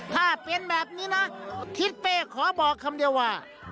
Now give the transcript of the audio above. ถ้าเป็นแบบนี้นะทิศเป้ขอบอกคำเดียวว่า